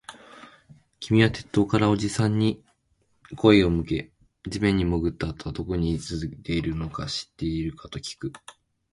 君は鉄塔からおじさんに顔を向け、地面に潜ったあとはどこに続いているのか知っているかときく